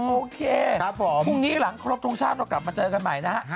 โอเคพรุ่งนี้หลังครบทรงชาติเรากลับมาเจอกันใหม่นะฮะ